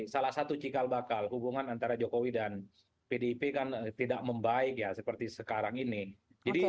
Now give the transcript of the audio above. salah satu cikal bakal hubungan antara jokowi dan pdip kan tidak membaik ya seperti sekarang ini